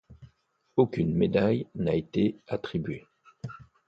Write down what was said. Aucune médaille n'a été attribuée.